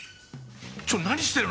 ちょっと何してるの！？